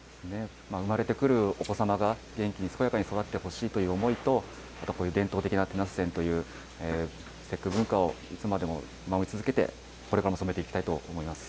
産まれてくるお子様が、元気に健やかに育ってほしいという思いと、あと、こういう伝統的な手捺染という節句文化を、いつまでも守り続けて、これからも染めていきたいと思います。